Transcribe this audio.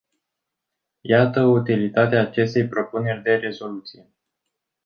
Iată utilitatea acestei propuneri de rezoluție.